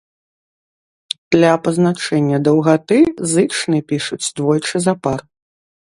Для пазначэння даўгаты зычны пішуць двойчы запар.